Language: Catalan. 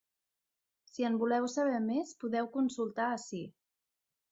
Si en voleu saber més podeu consultar ací.